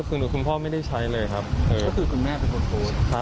คือความรู้สึกว่าอยู่ที่บ้านแล้วไม่ปลอดภัย